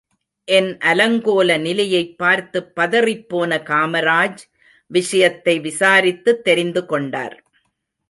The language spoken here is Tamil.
என் அலங்கோல நிலையைப் பார்த்துப் பதறிப்போன காமராஜ் விஷயத்தை விசாரித்துத் தெரிந்து கொண்டார்.